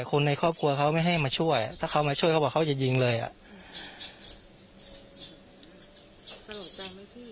คนในครอบครัวเขาไม่ให้มาช่วยถ้าเขามาช่วยเขาบอกเขาจะยิงเลยอ่ะสลดใจไหมพี่